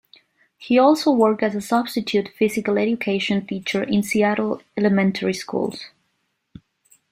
He also worked as a substitute physical education teacher in Seattle elementary schools.